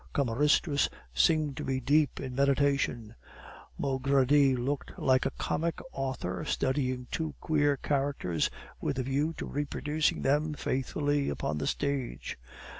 Cameristus seemed to be deep in meditation; Maugredie looked like a comic author, studying two queer characters with a view to reproducing them faithfully upon the stage.